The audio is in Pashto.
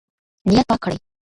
نیت پاک کړئ.